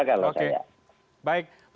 kalau saya baik